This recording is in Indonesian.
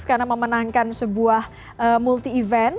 karena memenangkan sebuah multi event